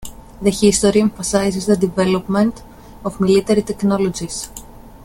The "History" emphasizes the development of military technologies.